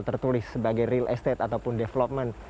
tertulis sebagai real estate ataupun development